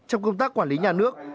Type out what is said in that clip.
trong công tác quản lý nhà nước